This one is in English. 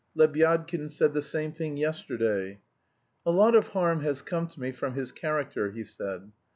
Lebyadkin said the same thing yesterday: 'A lot of harm has come to me from his character,' he said.